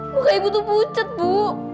buka ibu tuh pucat bu